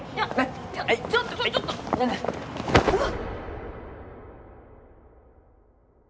うわっ！